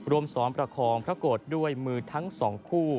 รวมซ้อมประคองพระโกรธด้วยมือทั้งสองคู่